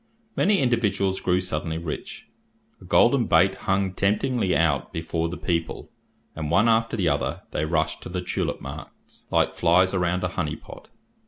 Many individuals grew suddenly rich. A golden bait hung temptingly out before the people, and one after the other, they rushed to the tulip marts, like flies around a honey pot.